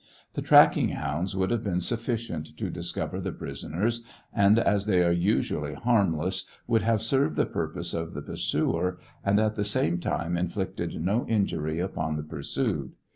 The tracking hounds would have been sufficient to discover the prisoners, and as they are usually harmless, would have served the purpose of the pursuer and at the same "time inflicted no injury upon the pursued.